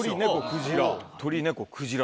鳥猫クジラ。